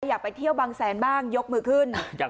อยากไปเที่ยวบางแสนบ้างยกมือขึ้น